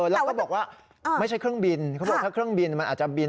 แล้วก็บอกว่าไม่ใช่เครื่องบินเขาบอกถ้าเครื่องบินมันอาจจะบิน